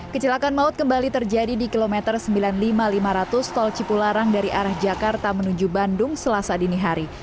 kecelakaan maut kembali terjadi di kilometer sembilan puluh lima lima ratus tol cipularang dari arah jakarta menuju bandung selasa dini hari